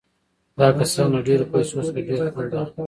دا کسان له ډېرو پیسو څخه ډېر خوند اخلي